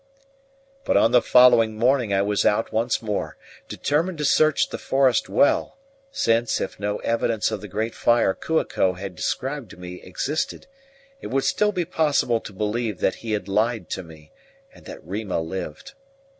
But on the following morning I was out once more, determined to search the forest well; since, if no evidence of the great fire Kua ko had described to me existed, it would still be possible to believe that he had lied to me, and that Rima lived.